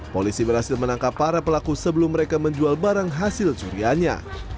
polisi berhasil menangkap para pelaku sebelum mereka menjual barang hasil curiannya